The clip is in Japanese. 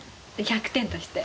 １００点として。